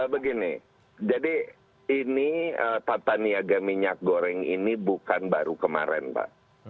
begini jadi ini tata niaga minyak goreng ini bukan baru kemarin mbak